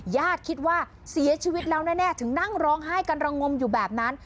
ญาติคิดว่าเสียชีวิตแล้วแน่ถึงนั่งร้องไห้กันระงมอยู่แบบนั้น